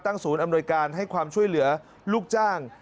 ศูนย์อำนวยการให้ความช่วยเหลือลูกจ้าง